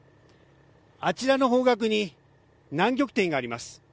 あちらの方角に南極点があります。